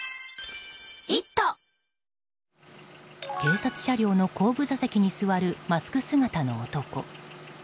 警察車両の後部座席に座るマスク姿の男。